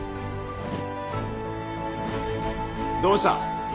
どうした？